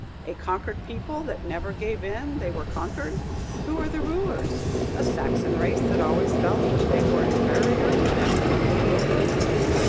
A conquered people that never gave in they were conquered. Who are the rulers? A Saxon race that always felt that they were infarior to them they ruled over!"